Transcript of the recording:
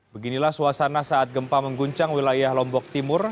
beginilah suasana saat gempa mengguncang wilayah lombok timur